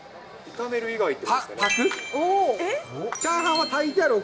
炒める以外って。